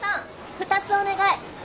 ２つお願い。